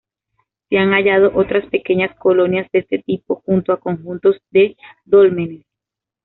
Se han hallado otras pequeñas colonias de este tipo junto a conjuntos de dólmenes.